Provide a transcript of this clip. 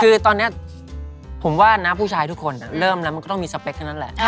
คือตอนนี้ผมว่านะผู้ชายทุกคนเริ่มแล้วมันก็ต้องมีสเปคเท่านั้นแหละ